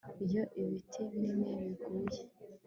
Iyo ibiti binini biguye